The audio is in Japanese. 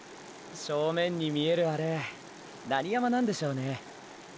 正面に見えるあれ何山なんでしょうね。！！